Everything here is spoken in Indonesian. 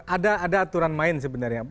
ada aturan main sebenarnya